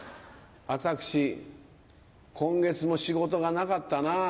私今月も仕事がなかったなぁ。